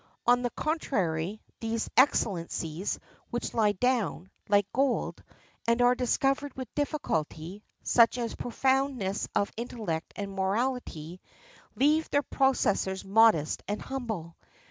On the contrary, those excellencies which lie down, like gold, and are discovered with difficulty—such as profoundness of intellect and morality—leave their possessors modest and humble.